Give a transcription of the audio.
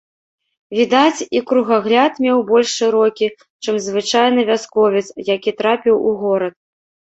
Відаць, і кругагляд меў больш шырокі, чым звычайны вясковец, які трапіў у горад.